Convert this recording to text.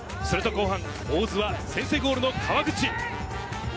すると後半、大津は先制ゴールの川口。